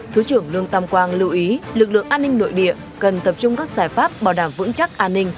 thứ trưởng lương tam quang lưu ý lực lượng an ninh nội địa cần tập trung các giải pháp bảo đảm vững chắc an ninh